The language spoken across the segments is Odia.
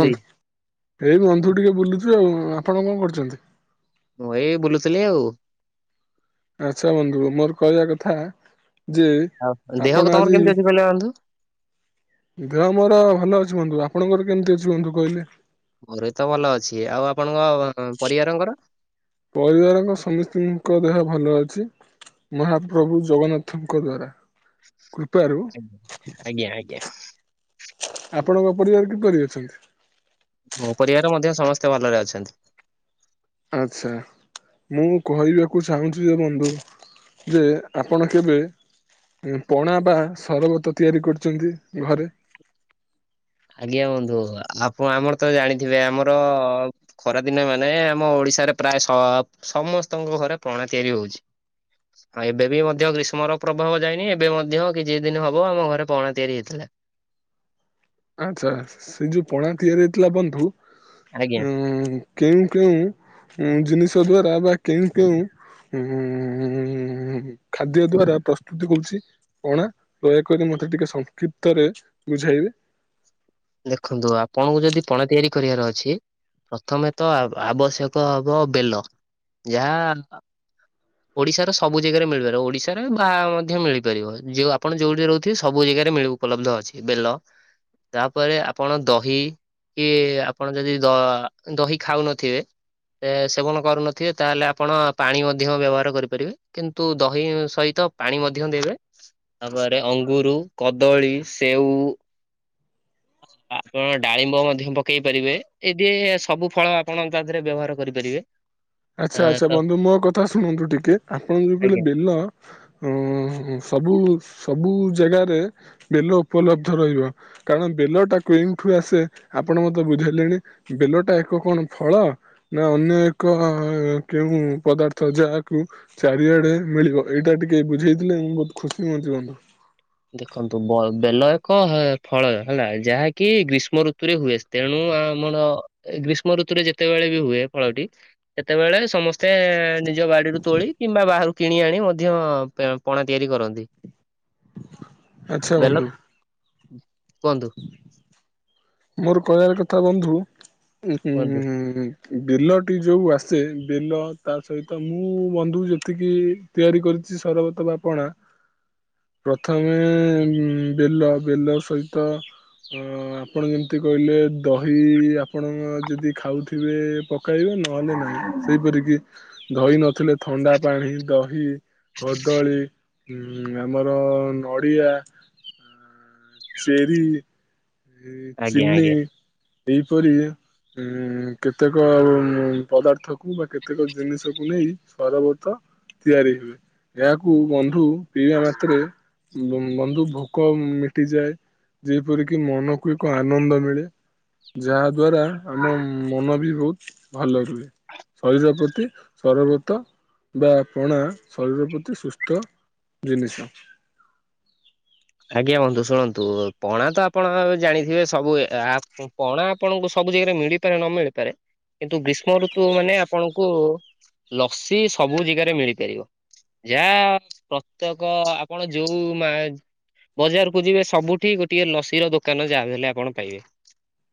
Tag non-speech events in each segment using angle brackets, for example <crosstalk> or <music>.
ନ୍ତି? ଏଇ ବନ୍ଧୁ ଟିକେ ବୁଲୁଚୁ ଆଉ ଆପଣ କଣ କରିୁଛନ୍ତି? ମୁଁ ଏଇ ବୁଲୁଥିଲି ଆଉ। ଆଚ୍ଛା ବନ୍ଧୁ ମୋର କହିବା କଥା ଯେ ଆପଣ ଆଜି ବୋଲ ବନ୍ଧୁ। ଦେହ ମୋର ଭଲ ଅଛି ବନ୍ଧୁ, ଆପଣଙ୍କର କେମିତି ଅଛି ବନ୍ଧୁ କହିଲେ? ମୋରେ ତ ଭଲ ଅଛି, ଆଉ ଆପଣଙ୍କ ପରିବାରଙ୍କର? ପରିବାରଙ୍କ ସମସ୍ତିଙ୍କ ଦେହ ଭଲ ଅଛି। ମହାପ୍ରଭୁ ଜଗନ୍ନାଥଙ୍କ ଦ୍ଵାରା। କୃପାରୁ ଆଞା ଆଜ୍ଞା ଆଜ୍ଞା। ଆପଣଙ୍କ ପରିବାର କିପରି ଅଛନ୍ତି? ମୋ ପରିବାର ମଧ୍ୟ ସମସ୍ତେ ଭଲରେ ଅଛନ୍ତି। ଆଚ୍ଛା। ମୁଁ କହିବାକୁ ଚାହୁଁଚି ଯେ, ବନ୍ଧୁ ଯେ ଆପଣ କେବେ ପଣା ବା ସରବତ ତିଆରି କରିଚନ୍ତି ଘରେ। ଆଜ୍ଞା ବନ୍ଧୁ, ଆପଣ ଆମର ତ ଜାଣିଥିବେ ଆମର ଖରାଦିନେ ମାନେ ଆମ ଓଡିଶାରେ ପ୍ରାୟ ସ ସମସ୍ତଙ୍କ ଘରେ ପଣା ତିଆରି ହଉଚି। <inaudible> ଆଉ ଏବେ ବି ମଧ୍ୟ ଗ୍ରୀଷ୍ମର ପ୍ରଭାବ ଯାଇନି, ଏବେ ମଧ୍ୟ କିଛି ଦିନ ହବ ଆମ ଘରେ ପଣା ତିଆରି ହେଇଥିଲା। ଆଚ୍ଛା, ସେ ଯୋଉ ପଣା ତିଆରି ହେଇଥିଲା ବନ୍ଧୁ ଆଜ୍ଞା ଉ କେଉଁ କେଉଁ ଜିନିଷ ଦ୍ଵାରା, ବା କେଉଁ କେଉଁ ଉଁ ଖାଦ୍ୟ ଦ୍ଵାରା ପ୍ରସ୍ତୁତି ହୋଉଚି। ପଣା ଦୟାକରି ମତେ ଟିକେ ସଂକ୍ଷିପ୍ତରେ ବୁଝେଇବେ। ଦେଖନ୍ତୁ ଆପଣଙ୍କୁ ଯଦି ପଣା ତିଆରି କରିବାର ଅଛି ପ୍ରଥମେ ତ ଆବଶ୍ୟକ ହବ ବେଲ ଯାହା ଓଡିଶାର ସବୁ ଜାଗାରେ ମିଳିପାରିବ, ଓଡିଶାରେ ବାହା ମଧ୍ୟ ମିଳିପାରିବ ଯଉ ଆପଣ ଯୋଉଠି ରହୁଥିବେ ସବୁ ଜାଗାରେ ମିଳୁ ଉପଲବ୍ଧ ଅଛି ବେଲ ତାପରେ ଆପଣ ଦହି କି ଆପଣ ଯଦି ଦ ଦହି ଖାଉନଥିବେ ସେ ସେବନ କରୁନଥିବେ ତାହେଲେ ଆପଣ ପାଣି ମଧ୍ୟ ବ୍ୟବହାର କରିପାରିବେ, କିନ୍ତୁ ଦହି ସହିତ ପାଣି ମଧ୍ୟ ଦେବେ ତାପରେ ଅଙ୍ଗୁରୁ, କଦଳୀ, ସେଉ <unintelligible> ଆପଣ ଡାଳିମ୍ବ ମଧ୍ୟ ପକେଇ ପାରିବେ ଏଦି ସବୁ ଫଳ ଆପଣ ତା ଦେହରେ ବ୍ୟବହାର କରିପାରିବେ। ଆ ଆଚ୍ଛା ଆଚ୍ଛା ତ ବନ୍ଧୁ ମୋ କଥା ଶୁଣନ୍ତୁ ଟିକେ ଆପଣ ଯୋଉ କହିଲେ ଆଜ୍ଞା। ବେଲ ଉ ଉ ସବୁ ସବୁ ଜାଗାରେ ବେଲ ଉପଲବ୍ଧ ରହିବ। କାରଣ ବେଲ ଟା କେଉଁଠୁ ଆସେ ଆପଣ ମତେ ବୁଝେଇଲେଣି। ବେଲ ଟା ଏକ କଣ ଫଳ ନା ଅନ୍ୟ ଏକ ହଁ କେଉଁ ପଦାର୍ଥ ଯାହାକୁ ଚାରିଆଡ଼େ ମିଳିବ, ଏଇଟା ଟିକେ ବୁଝେଇଥିଲେ ମୁଁ ବହୁତ ଖୁସି ହୁଅନ୍ତି ବନ୍ଧୁ। ଦେଖନ୍ତୁ ବେଲ ଏକ ଫଳ ହେଲା ଯାହାକି ଗ୍ରୀଷ୍ମ ଋତୁରେ ହୁଏ। ତେଣୁ ଆମର ଗ୍ରୀଷ୍ମ ଋତୁରେ ଯେତେବେଳେ ବି ହୁଏ ଫଳଟି ସେତେବେଳେ ସମସ୍ତେ ନି ନିଜ ବାଡ଼ିରୁ ତୋଳି କିମ୍ବା ବାହାରୁ କିଣି ଆଣି ମଧ୍ୟ ପଣା ତିଆରି କରନ୍ତି। ଆଚ୍ଛା ବେଲ ବନ୍ଧୁ କୁହନ୍ତୁ। ମୋର କହିବାର କଥା ବନ୍ଧୁ ଉ କୁହନ୍ତୁ ଉ ବେଲଟି ଯୋଉ ଆସେ ବେଲ ତା ସହିତ ମୁଁ ବନ୍ଧୁ ଯେତିକି ତିଆରି କରିଛି ସରବତ ବା ପଣା ପ୍ରଥମେ ବେଲ, ବେଲ ସହିତ ଆପଣ ଯେମିତି କହିଲେ ଦହି ଆପଣ ଯଦି ଖାଉଥିବେ ପକାଇବେ ନା ନହଲେ ନାହିଁ ସେହିପରିକି ଦହି ନଥିଲେ ଥଣ୍ଡା ପାଣି, ଦହି, କଦଳୀ ହୁଁ ଆମର ନଡ଼ିଆ। ଚେରି ଆଜ୍ଞା ଚିନି ଆଜ୍ଞା ଏହିପରି କେତେକ ପଦାର୍ଥକୁ ବା କେତେକ ଜିନିଷକୁ ନେଇ ସରବତ ତିଆରି ହୁଏ। ଏହାକୁ ବନ୍ଧୁ ପିଇବା ମାତ୍ରେ ବନ୍ଧୁ ଭୋକ ମିଟିଯାଏ। ଯେପରିକି କି ମନକୁ ଏକ ଆନନ୍ଦ ମିଳେ। ଯାହା ଦ୍ଵାରା ଆମ ମନ ବି ବହୁତ ଭଲ ରୁହେ। ଶରୀର ପ୍ରତି ସରବତ ବା ପଣା ଶରୀର ପ୍ରତି ସୁସ୍ଥ ଜିନିଷ। ଆଜ୍ଞା ବନ୍ଧୁ ଶୁଣନ୍ତୁ, ପଣା ତ ଆପଣ ଜାଣିଥିବେ ସବୁ ଆ ପଣା ଆପଣଙ୍କୁ ସବୁ ଜାଗାରେ ମିଳିପାରେ ନ ମିଳିପାରେ। କିନ୍ତୁ ଗ୍ରୀଷ୍ମ ଋତୁ ମାନେ ଆପଣଙ୍କୁ ଲସି ସବୁ ଜାଗାରେ ମିଳିପାରିବ। ଯାହା ପ୍ରତ୍ୟେକ ଆପଣ ଯୋଉ ମା ବଜାରକୁ ଯିବେ ସବୁଠି ଗୋଟଏ ଲସି ର ଦୋକାନ ଯାହା ହେଲେ ଆପଣ ପାଇବେ।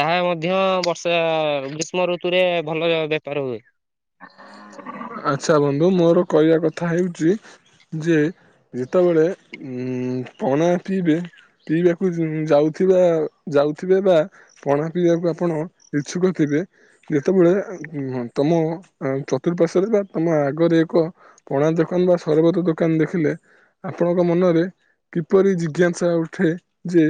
ତାହା ମଧ୍ୟ ବର୍ଷା ଗ୍ରୀଷ୍ମ ଋତୁରେ ଭଲ ବେପାର ହୁଏ। ଆଚ୍ଛା ବନ୍ଧୁ ମୋର କହିବା କଥା ହେଉଛି ଯେ ଯେତେବେଳେ ଉଁ ପଣା ପିଇବେ ପିଇବାକୁ ଯାଉଥିବା, ଯାଉିଥିବେ ବା। ପଣା ପିଇବାକୁ ଆପଣ ଇଛୁକ ଥିବେ, ଯେତେବେଳେ ତମ ଚତୁର୍ପାର୍ଶ୍ୱରେ ବା ତମ ଆଗରେ ଏକ ପଣା ଦୋକାନ ବା ସରବତ ଦୋକାନ ଦେଖିଲେ ଆପଣଙ୍କ ମନରେ କିପରି ଜିଜ୍ଞାସା ଉଠେ ଯେ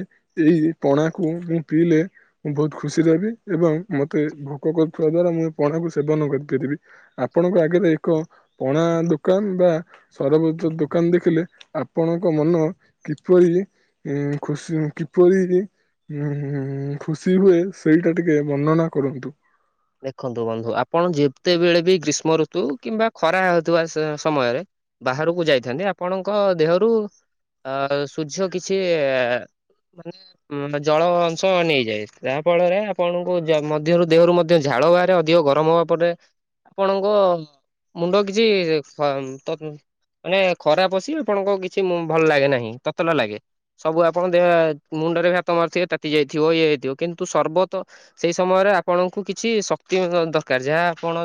ଏଇ ପଣାକୁ ମୁଁ ପିଇଲେ ମୁଁ ବହୁତ ଖୁସିରେ ରହିବି ଏବଂ ମୋତେ ଭୋକ କରୁଥିବା ଦ୍ଵାରା ମୁଁ ପଣାକୁ ସେବନ କରିପାରିବି। ଆପଣଙ୍କ ଆଗରେ ଏକ ପଣା ଦୋକାନ ବା ସରବତ ଦୋକାନ ଦେଖିଲେ ଆପଣଙ୍କ ମନ କିପରି ଏ ଖୁସି କିପରି ହୁଁ ହୁଁ ଖୁସି ହୁଏ ସେଇଟା ଟିକେ ବର୍ଣ୍ଣନା କରନ୍ତୁ। ଦେଖନ୍ତୁ ବନ୍ଧୁ ଆପଣ ଯେତେବେଳେ ବି ଗ୍ରୀଷ୍ମ ଋତୁ କିମ୍ବା ଖରା ହେଉଥିବା ସମୟରେ। ବାହାରକୁ ଯାଇଥାନ୍ତି ଆପଣଙ୍କ ଦେହରୁ ଅ ସୂର୍ଯ୍ୟ କିଛି ମାନେ ଜଳ ଅଂଶ ନେଇଯାଏ। ଯାହା ଫଳରେ ଆପଣଙ୍କୁ ମଧ୍ୟରୁ ଦେହରୁ ମଧ୍ୟ ଝାଳ ବାହାରେ ଅଧିକ ଗରମ ହବା ପରେ ଆପଣଙ୍କୁ ମୁଣ୍ଡ କିଛି ଖ ତ ମାନେ ଖରା ପଶି ଆପଣଙ୍କୁ କିଛି ଭଲ ଲାଗେ ନାହିଁ, ତତଲା ଲାଗେ। ସବୁ ଆପଣ ଦେ ମୁଣ୍ଡରେ ହାତ ମାରିଥିବେ ତାତି ଯାଇଥିବ ଇଏ ହେଇଥିବ କିନ୍ତୁ ସର୍ବତ ସେଇ ସମୟରେ ଆପଣଙ୍କୁ କିଛି ଶକ୍ତି ଦରକାର ଯାହା ଆପଣ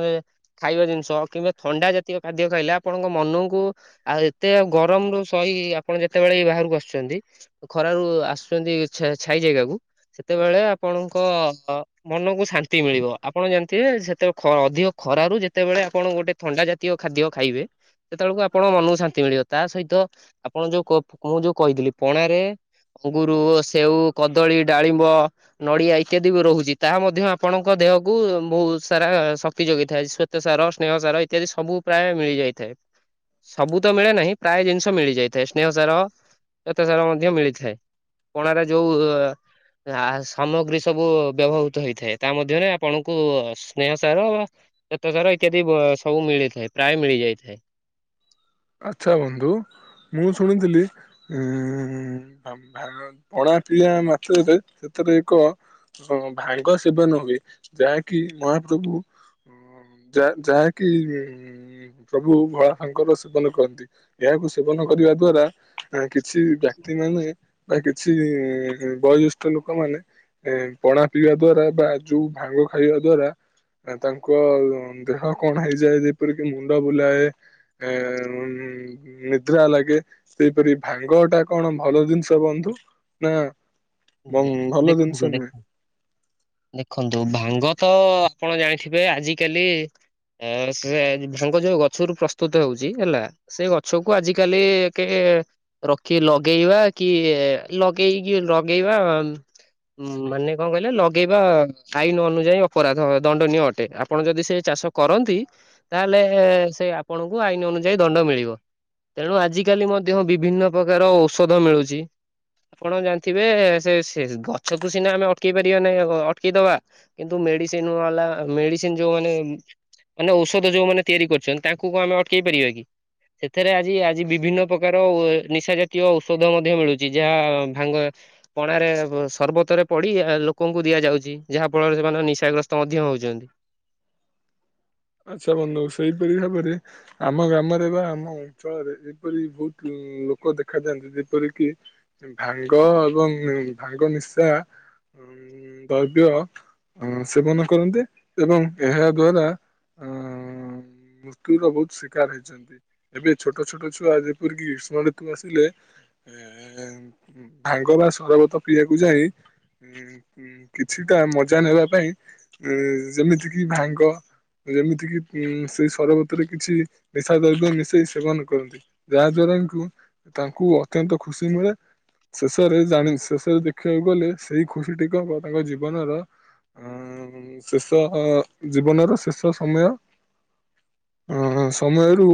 ଖାଇବା ଜିନିଷ କିମ୍ବା ଥଣ୍ଡା ଜାତୀୟ ଖାଦ୍ୟ ଖାଇଲେ ଆପଣଙ୍କ ମନକୁ ଆଉ ଏତେ ଗରମରୁୁ ସହି ଆପଣ ଯେତେବେଳେ ଏଇ ବାହାରକୁ ଆସୁଛନ୍ତି। ଖରାରୁୁ ଆସୁଛନ୍ତି ଛା ଛାଇ ଜାଗାକୁ। ସେତେବେଳେ ଆପଣଙ୍କ ମନକୁ ଶାନ୍ତି ମିଳିବ। ଆପଣ ଜାଣିଥିବେ ସେତେ ଅଧିକ ଖରାରୁ ଯେତେବେଳେ ଆପଣ ଗୋଟେ ଥଣ୍ଡା ଜାତୀୟ ଖାଦ୍ୟ ଖାଇବେ ସେତେବେଳକୁ ଆପଣଙ୍କ ମନକୁ ଶାନ୍ତି ମିଳିବ। ତା ସହିତ ଆପଣ ଯୋଉ ମୁଁ ଯୋଉ କହିଥିଲି ପଣାରେ ଅଙ୍ଗୁରୁ, ସେଉ, କଦଳୀ, ଡାଳିମ୍ବ, ନଡିଆ, ଇତ୍ୟାଦି ବି ରହୁଛି ତାହା ମଧ୍ୟ ଆପଣଙ୍କ ଦେହକୁ ବହୁତ ସାରା ଶକ୍ତି ଯୋଗେଇଥାଏ ଶ୍ୱେତ ସାର ସ୍ନେହ ସାର ଇତ୍ୟାଦି ସବୁ ପ୍ରାୟ ମିଳିଯାଇଥାଏ। ସବୁ ତ ମିଳେ ନାହିଁ ପ୍ରାୟ ଜିନିଷ ମିଳିଯାଇଥାଏ ସ୍ନେହ ସାର ଶ୍ୱେତ ସାର ମଧ୍ୟ ମିଳିଥାଏ। ପଣାରେ ଯୋଉ ଆ ସାମଗ୍ରୀ ସବୁ ବ୍ୟବହୃତ ହେଇଥାଏ। ତା ମଧ୍ୟରେ ଆପଣଙ୍କୁ ସ୍ନେହସାର ଶ୍ୱେତସାର ଇତ୍ୟାଦି ସବୁ ମିଳିଥାଏ, ପ୍ରାୟ ମିଳିଯାଇଥାଏ। ଆଛା ବନ୍ଧୁ ମୁଁ ଶୁଣିଥିଲି ପଣା ପିଇବା ମାତ୍ରକେ ସେଥିରେ ଏକ ହଁ ଭାଙ୍ଗ ସେବନ ହୁଏ ଯାହାକି ମହାପ୍ରଭୁ ଯା ଯାହାକି ପ୍ରଭୁ ଭୋଳାଶଙ୍କର ସେବନ କରନ୍ତି। ଏହାକୁ ସେବନ କରିବା ଦ୍ଵାରା କିଛି ବ୍ୟକ୍ତି ମାନେ ବା କିଛି ବଏ ଜ୍ୟେଷ୍ଠ ଲୋକମାନେ ଏ ପଣା ପିଇବା ଦ୍ଵାରା ବା ଯୁଉ ଭାଙ୍ଗ ଖାଇବା ଦ୍ଵାରା ତାଙ୍କ ଦେହ କଣ ହେଇଯାଏ।। ଯେପରିକି ମୁଣ୍ଡ ବୁଲାଏ ଏଁ ନିଦ୍ରା ଲାଗେ ସେଇପରି ଭାଙ୍ଗ ଟା କଣ ଭଲ ଜିନିଷ ବନ୍ଧୁ? ନା ବ ଦେ ଭଲ ଦେଖନ୍ତୁ ଜିନିଷ ନୁହେଁ? ଦେଖନ୍ତୁ ଦେଖନ୍ତୁ ଭାଙ୍ଗ ତ ଆପଣ ଜାଣିଥିବେ ଆଜିକାଲି ହଁ ସେ ଭାଙ୍ଗ ଯୋଉ ଗଛରୁ ପ୍ରସ୍ତୁତ ହଉଛି ହେଲା ସେ ଗଛକୁ ଆଜିିକାଲି କେ ରଖି ଲଗେଇବା କି ଲଗେଇକି ଲଗେଇବା ହୁଁ ମାନେ କଣ କହିଲେ ଲଗେଇବା ଆଇନ ଅନୁଯାୟୀ ଅପରାଧ ଦଣ୍ଡନୀୟ ଅଟେ। ଆପଣ ଯଦି ସେ ଚାଷ କରନ୍ତି ତାହେଲେ ସେ ଆପଣଙ୍କୁ ଆଇନ ଅନୁଯାୟୀ ଦଣ୍ଡ ମିଳିବ। ତେଣୁ ଆଜିକାଲି ମଧ୍ୟ ବିଭିନ୍ନ ପ୍ରକାର ଔଷଧ ମିଳୁଛି ଆପଣ ଜାଣି ଥିବେ ସେ ସେ ଗଛକୁ ସିନା ଆମେ ଅଟକେଇ ପାରିବା ନାଇଁ ଅଟକେଇଦବା କିନ୍ତୁ ମେଡିସିନ ବାଲା ମେଡିସିନ ଯୋଉ ମାନେ ମାନେ ଔଷଧ ଯୋଉ ମାନେ ତିଆରି କରିୁଛନ୍ତି, ତାଙ୍କୁ କଣ ଆମେ ଅଟକେଇ ପାରିବା କି? ସେଥିରେ ଆଜି ଆଜି ବିଭିନ୍ନ ପ୍ରକାର ନିଶା ଜାତୀୟ ଔଷଧ ମଧ୍ୟ ମିଳୁଛି। ଯାହା ଭାଙ୍ଗ ପଣାରେ ସର୍ବତରେ ପଡି ଲୋକଙ୍କୁ ଦିଆଯାଉଛି ଯାହା ଫଳରେ ସେମାନେ ନିଶାଗ୍ରସ୍ତ ମଧ୍ୟ ହଉଛନ୍ତି। ଆଚ୍ଛା ବନ୍ଧୁ ସେଇପରି ଭାବରେ ଆମ ଗ୍ରାମରେ ବା ଆମ ଅଞ୍ଚଳରେ ଯେପରି ବହୁତ ଲୋକ ଦେଖାଯାଆନ୍ତି, ଯେପରି କିି ଭାଙ୍ଗ ଏବଂ ଭାଙ୍ଗ ନିଶା ଦ୍ରବ୍ୟ ସେବନ କରନ୍ତି ଏବଂ ଏହା ଦ୍ଵାରା ଅ ମୃତ୍ୟୁର ବହୁତ ଶିକାର ହେଇଛନ୍ତି। ଏବେ ଛୋଟ ଛୋଟ ଛୁଆ ଯେପରିକି ଗ୍ରୀଷ୍ମ ଋତୁ ଆସିଲେ ଭାଙ୍ଗ ବା ସରବତ ପିଇବାକୁ ଯାଇ କିଛିଟା ମଜା ନେବା ପାଇଁ ଯେମିତିକିି ଭାଙ୍ଗ ଯେମିତି କିି ଉ ସେଇ ସରବତରେ କିଛି ନିଶା ଦ୍ରବ୍ୟ ମିଶେଇ ସେବନ କରନ୍ତି। ଯାହାଦ୍ୱାରାଙ୍କୁ ତାଙ୍କୁ ଅତ୍ୟନ୍ତ ଖୁସି ମିଳେ। ଶେଷରେ ଜାଣି ଶେଷରେ ଦେଖିବାକୁ ଗଲେ ସେଇ ଖୁସିଟିକ ତାଙ୍କ ଜୀବନର ଆଁ ଶେଷ ଜୀବନର, ଶେଷ ସମୟ। ହଁ ହଁ ସମୟରୁ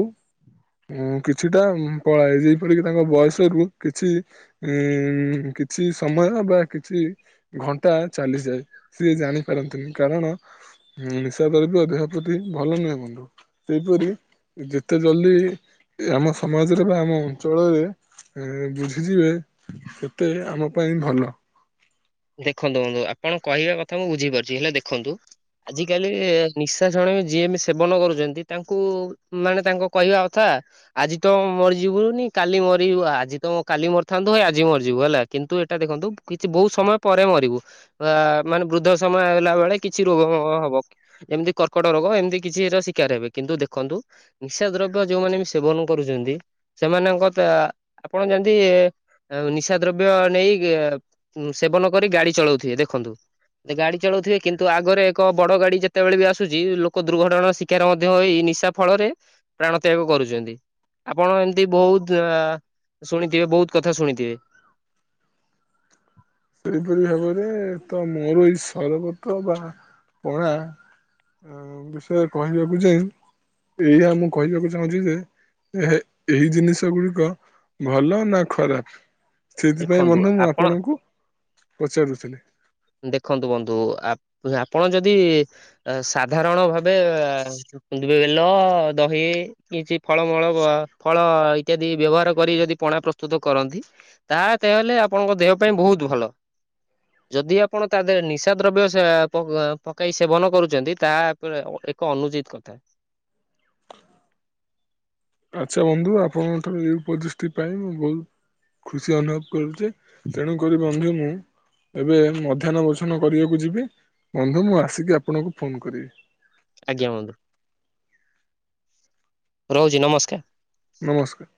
ଉଁ କିଛିଟା ପଳାଏ। ଯେପରିକି ତାଙ୍କ ବୟସରୁ କିଛି ଉଁ କିଛି ସମୟ ବା କିଛି ଘଣ୍ଟା ଚାଲିଯାଏ ସିଏ ଜାଣିପାରନ୍ତିନି। କାରଣ ନିଶା ଦ୍ରବ୍ୟ ଦେହ ପ୍ରତି ଭଲ ନୁହେଁ ବନ୍ଧୁ। ସେହିପରି ଯେତେ ଜଲଦି ଆମ ସମାଜରେ ବା ଆମ ଅଞ୍ଚଳରେ ଏଁ ବୁଝିଯିବେ ସେତେ ଆମ ପାଇଁ ଭଲ। ଦେଖନ୍ତୁ ଆପଣ କହିବା କଥା ମୁଁ ବୁଝିପାରୁଛି, ହେଲେ ଦେଖନ୍ତୁ ଆଜିକାଲି ନିଶାସଣ ଯିଏ ବି ସେବନ କରୁଛନ୍ତି ତାଙ୍କୁ ମାନେ ତାଙ୍କ କହିବା କଥା ଆଜି ତ ମରିଯିବୁନି କାଲି ମରିଯିବା, ଆଜି ତ କାଲି ମରିଥାନ୍ତୁ କାଲି ମରିଯିବୁ ହେଲା। କିନ୍ତୁ ଏଇଟା ଦେଖନ୍ତୁ କିଛି ବହୁତ ସମୟ ପରେ ମରିବୁ ଅ ମାନେ ବୃଦ୍ଧ ସମୟ ଆଇଲା ବେଳେ କିଛି ରୋଗଫୋଗ ହବ। ଏମିତି କର୍କଟ ରୋଗ ଏମିତି କିଛି ଶିକାର ହେବେ କିନ୍ତୁ ଦେଖନ୍ତୁ। ନିଶା ଦ୍ରବ୍ୟ ଯୋଉମାନେ ବି ସେବନ କରୁଛନ୍ତି ସେମାନଙ୍କ ତ ଆପଣ ଯେମିତି ଆ ନିଶା ଦ୍ରବ୍ୟ ନେଇ ସେବନ କରି ଗାଡି ଚଳାଉଥିବେ ଦେଖନ୍ତୁ। ଗାଡି ଚଳଉଥିବେ କିନ୍ତୁ ଆଗରେ ଏକ ବଡ ଗାଡି ଯେତେବେଳେ ବି ଆସୁଛି ଲୋକ ଦୁର୍ଘଟଣାର ଶି ଶିକାର ମଧ୍ୟ ହୋଇ ନିଶା ଫଳରେ ପ୍ରାଣ ତ୍ୟାଗ କରୁଛନ୍ତି। ଆପଣ ଏମତି ବହୁତ ଅ ଶୁଣିଥିବେ ବହୁତ କଥା ଶୁଣିଥିବେ। ସେଇପରି ଭାବରେ ତ ମୋର ଏଇ ସରବତ ବା ପଣା ବିଷୟରେ କହିବାକୁ ଯାଇଁ ଏଇଆ ମୁଁ କହିବାକୁ ଚାହୁଁଛି ଯେ ଏହ ଏହୀ ଜିନିଷ ଗୁଡିକ ଭଲ ନା ଖରାପ। ସେଥିପାଇଁ ଦେଖନ୍ତୁ ବନ୍ଧୁ ମୁଁ ଆପଣ ଆପଣଙ୍କୁ ପଚାରୁଥିଲି। ଦେଖନ୍ତୁ ବନ୍ଧୁ ଆପଣ ଯଦି ସାଧାରଣ ଭାବେ ଦବ ବେଲ ଦହି କିଛି ଫଳମୂଳ ଫଳ ଇତ୍ୟାଦି ବ୍ୟବହାର କରି ଯଦି ପଣା ପ୍ରସ୍ତୁତ କରନ୍ତି ତା ଦେହେଲେ ଆପଣଙ୍କ ଦେହ ପାଇଁ ବହୁତ ଭଲ। ଯଦି ଆପଣ ତା ଦେହରେ ନିଶା ଦ୍ରବ୍ୟ ପ ପକାଇ ସେବନ କରୁଛନ୍ତି ତାହା ଏକ ଅନୁଚିତ କଥା। ଆଚ୍ଛା ବନ୍ଧୁ ଆପଣଙ୍କ ଠାରୁ ଏଇ ଓପଦେସ ଟି ପାଇଁ ମୁଁ ବହୁତ ଖୁସି ଅନୁଭବ କରୁଚି ତେଣୁକରି ବନ୍ଧୁ ମୁଁ ଏବେ ମଧ୍ୟାହ୍ନ ଭୋଜନ କରିବାକୁ ଯିବି ବନ୍ଧୁ ମୁଁ ଆସିକି ଆପଣଙ୍କୁ ଫୋନ କରିବି। ଆଜ୍ଞା ବନ୍ଧୁ। ରହୁଛି ନମସ୍କାର। ନମସ୍କାର।